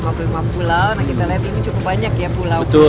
nah kita lihat ini cukup banyak ya pulau